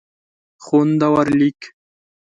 خوندور لیک